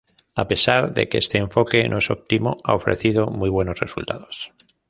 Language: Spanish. A pesar de que este enfoque no es óptimo, ha ofrecido muy buenos resultados.